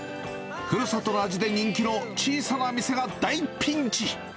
ふるさとの味で人気の小さな店が大ピンチ。